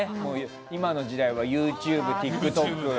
今の時代は、ＹｏｕＴｕｂｅＴｉｋＴｏｋ。